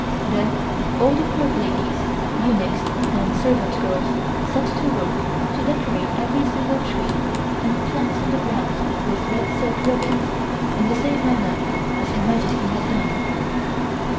Then all the Court ladies, eunuchs and servant girls set to work to decorate every single tree and plant in the grounds with red silk ribbons, in the same manner as Her Majesty had done.